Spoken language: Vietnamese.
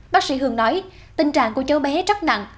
bác sĩ hương nói tình trạng của cháu bé rất nặng